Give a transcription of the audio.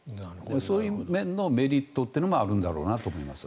そういう面のメリットというのもあるんだろうなと思います。